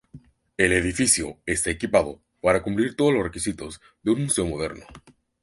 El edificio está equipado para cumplir con todos los requisitos de una museo moderno.